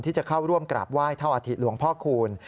ที่จะเข้าร่วมกราบไหว้เท่าอาทิตหลวงพ่อคูณ